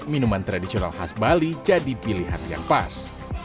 minuman tradisional khas bali jadi pilihan yang pas